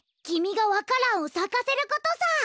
きみがわか蘭をさかせることさ！